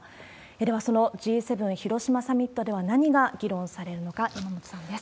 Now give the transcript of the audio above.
ではそのＧ７広島サミットでは何が議論されるのか、山本さんです。